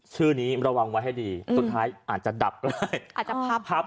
ชื่อนี้ระวังไว้ให้ดีอืมสุดท้ายอาจจะดับเลยอาจจะพับ